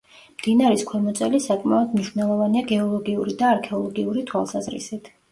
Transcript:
მდინარის ქვემოწელი საკმაოდ მნიშვნელოვანია გეოლოგიური და არქეოლოგიური თვალსაზრისით.